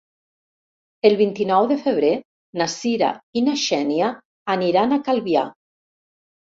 El vint-i-nou de febrer na Cira i na Xènia aniran a Calvià.